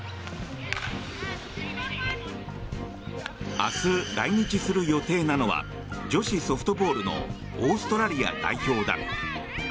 明日、来日する予定なのは女子ソフトボールのオーストラリア代表だ。